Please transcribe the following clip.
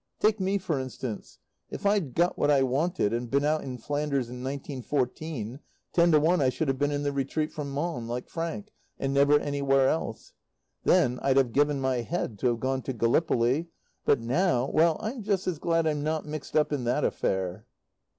Take me, for instance. If I'd got what I wanted and been out in Flanders in 1914, ten to one I should have been in the retreat from Mons, like Frank, and never anywhere else. Then I'd have given my head to have gone to Gallipoli; but now, well, I'm just as glad I'm not mixed up in that affair.